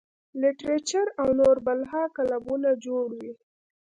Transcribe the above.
لټرېچر او نور بلها کلبونه جوړ وي -